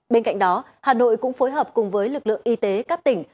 bên cạnh đó hà nội cũng phối hợp cùng với lực lượng y tế các tỉnh